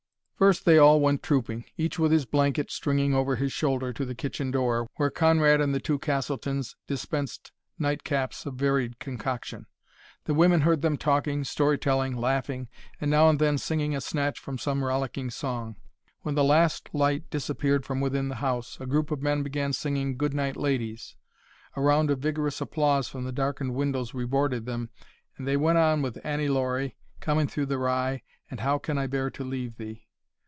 First they all went trooping, each with his blanket stringing over his shoulder, to the kitchen door, where Conrad and the two Castletons dispensed nightcaps of varied concoction. The women heard them talking, story telling, laughing, and now and then singing a snatch from some rollicking song. When the last light disappeared from within the house, a group of men began singing "Good Night, Ladies." A round of vigorous applause from the darkened windows rewarded them, and they went on with "Annie Laurie," "Comin' through the Rye," and "How Can I Bear to Leave Thee."